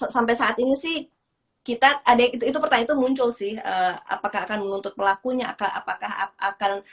sampai saat ini sih kita ada itu pertanyaan itu muncul sih apakah akan menuntut pelakunya apakah akan